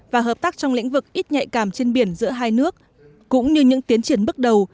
và hợp tác trong lĩnh vực ít nhạy cảm trên biển giữa hai nước cũng như những tiến triển bước đầu